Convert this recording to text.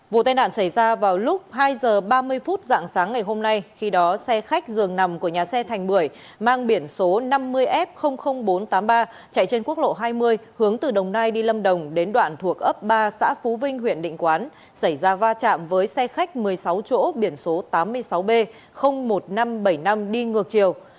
vụ tai nạn xảy ra vào lúc hai h ba mươi phút dạng sáng ngày hôm nay khi đó xe khách dường nằm của nhà xe thành bưởi mang biển số năm mươi f bốn trăm tám mươi ba chạy trên quốc lộ hai mươi hướng từ đồng nai đi lâm đồng đến đoạn thuộc ấp ba xã phú vinh huyện định quán xảy ra va chạm với xe khách một mươi sáu chỗ biển số tám mươi sáu b một nghìn năm trăm bảy mươi năm đi ngược chiều